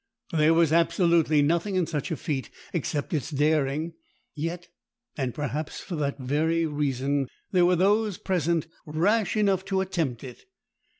There was absolutely nothing in such a feat except its daring. Yet—and perhaps for that very reason—there were those present rash enough to attempt it.